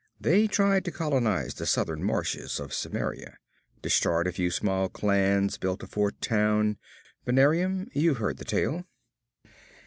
They tried to colonize the southern marches of Cimmeria: destroyed a few small clans, built a fort town, Venarium you've heard the tale.'